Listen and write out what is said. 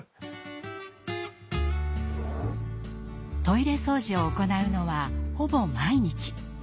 トイレ掃除を行うのはほぼ毎日。